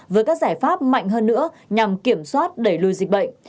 với các giải pháp mạnh hơn nữa nhằm kiểm soát đẩy lùi dịch bệnh